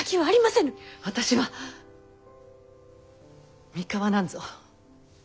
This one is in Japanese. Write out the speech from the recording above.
私は三河なんぞ。